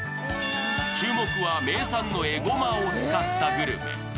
注目は名産のえごまを使ったグルメ。